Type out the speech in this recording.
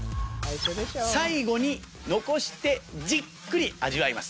最後に残してじっくり味わいます。